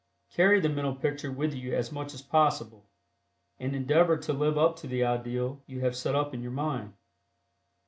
Carry the mental picture with you as much as possible, and endeavor to live up to the ideal you have set up in your mind.